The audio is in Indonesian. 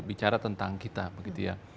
bicara tentang kita